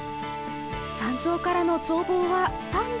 山頂からの眺望は３６０度。